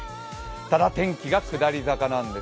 ただ、天気が下り坂なんです。